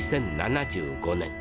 ２０７５年。